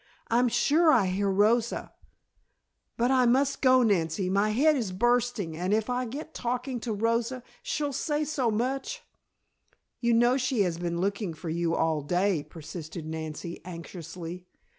"I'm sure I hear Rosa " "But I must go, Nancy. My head is bursting, and if I get talking to Rosa, she'll say so much " "You know she has been looking for you all day," persisted Nancy, anxiously.